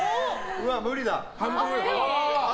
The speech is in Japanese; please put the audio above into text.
うわ、無理だ！